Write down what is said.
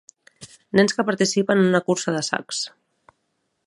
Nens que participen en una cursa de sacs.